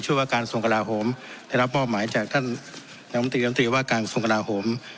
ชื่อว่าการสงกราโหมได้รับมอบหมายจากท่านนางคมตรีนางตรีว่าการสงกราโหม